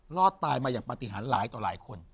รอดตายมาอย่างปฏิหารหลายต่อหลายคน